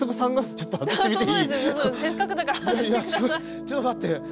ちょっと待って。